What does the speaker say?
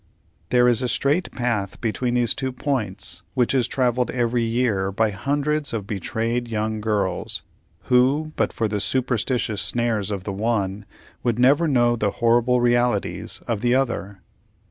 There is a straight path between these two points which is travelled every year by hundreds of betrayed young girls, who, but for the superstitious snares of the one, would never know the horrible realities of the other.